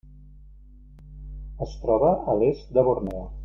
Es troba a l'est de Borneo.